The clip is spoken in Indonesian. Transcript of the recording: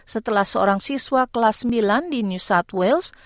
setelah seorang siswa kelas sembilan di new south wales